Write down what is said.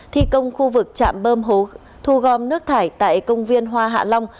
thi công khu vực chạm bơm thu gom nước thải tại công viên hoa hạ long